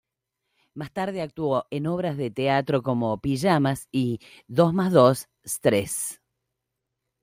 Más tarde actuó en obras de teatro como: "Pijamas" y "Dos más dos... stress".